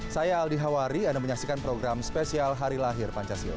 saya aldi hawari anda menyaksikan program spesial hari lahir pancasila